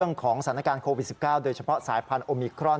เรื่องของสถานการณ์โควิด๑๙โดยเฉพาะสายพันธุมิครอน